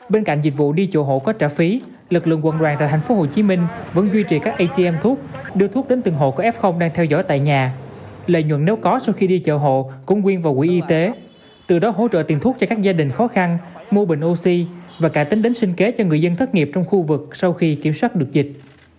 bên cạnh dịch vụ đi chùa hộ có trả phí lực lượng quận đoàn tại tp hcm vẫn duy trì các atm thuốc đưa thuốc đến từng hộ có f đang theo dõi tại nhà lợi nhuận nếu có sau khi đi chợ hộ cũng quyên vào quỹ y tế từ đó hỗ trợ tiền thuốc cho các gia đình khó khăn mua bình oxy và cả tính đến sinh kế cho người dân thất nghiệp trong khu vực sau khi kiểm soát được dịch